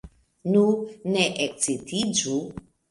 Nu, ne ekscitiĝu!